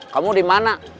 kamu di mana